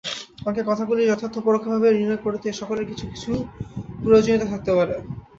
আমাদের কথাগুলির যাথার্থ্য পরোক্ষভাবে নির্ণয় করতে এ-সকলের কিছু কিছু প্রয়োজনীয়তা থাকতে পারে।